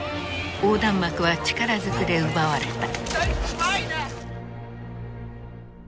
横断幕は力ずくで奪われた。